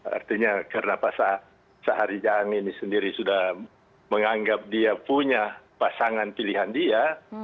artinya karena pak syahari jaang ini sendiri sudah menganggap dia punya pasangan pilihan dia